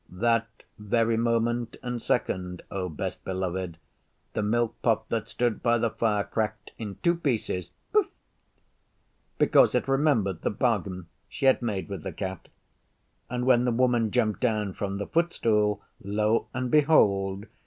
That very moment and second, O Best Beloved, the Milk pot that stood by the fire cracked in two pieces ffft because it remembered the bargain she had made with the Cat, and when the Woman jumped down from the footstool lo and behold!